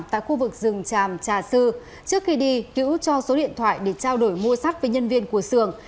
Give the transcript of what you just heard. tại khu vực rừng tràm trà sư trước khi đi hữu cho số điện thoại để trao đổi mua sắt với nhân viên của sưởng